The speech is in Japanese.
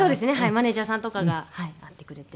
マネジャーさんとかが会ってくれて。